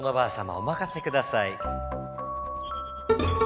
おまかせください。